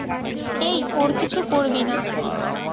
এই ওর কিছু করবি না।